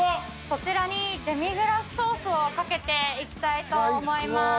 こちらにデミグラスソースをかけていきたいと思います。